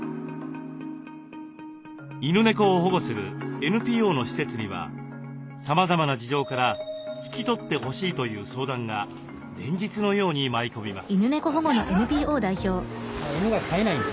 犬猫を保護するＮＰＯの施設にはさまざまな事情から引き取ってほしいという相談が連日のように舞い込みます。